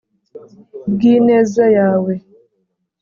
Bw ineza yawe